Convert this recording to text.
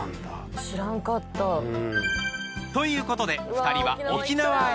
知らんかった。ということで２人は。